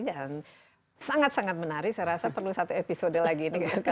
dan sangat sangat menarik saya rasa perlu satu episode lagi ini kalau kita membahas